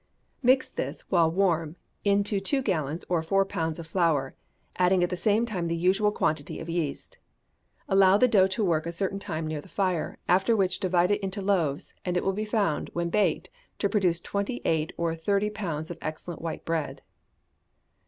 Mix this, while warm, into two gallons or four pounds of flour, adding at the same time the usual quantity of yeast. Allow the dough to work a certain time near the fire, after which divide it into loaves, and it will be found, when baked, to produce twenty eight or thirty pounds of excellent white bread.